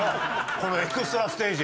このエクストラステージ。